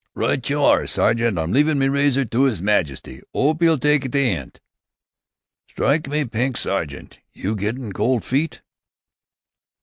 "Right you are, sergeant! I'm leavin' me razor to 'is Majesty. 'Ope 'e'll tyke the 'int." "Strike me pink, sergeant! You gettin' cold feet?"